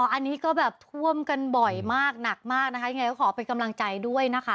อันนี้ก็แบบท่วมกันบ่อยมากหนักมากนะคะยังไงก็ขอเป็นกำลังใจด้วยนะคะ